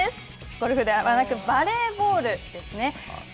ゴルフではなく、バレーボールですね。